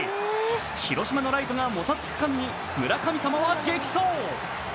広島のライトがもたつく間に村神様は激走。